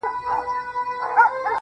داسي محراب غواړم، داسي محراب راکه.